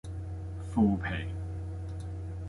負皮